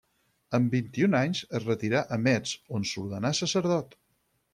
Amb vint-i-un anys es retirà a Metz, on s'ordenà sacerdot.